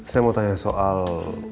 saya mau tanya soal